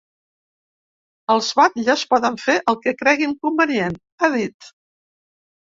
Els batlles poden fer el que creguin convenient, ha dit.